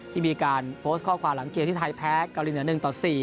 ที่มีการโพสต์ข้อความหลังเกมที่ไทยแพ้เกาหลีเหนือ๑ต่อ๔